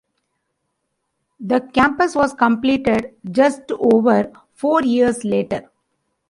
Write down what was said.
The campus was completed just over four years later.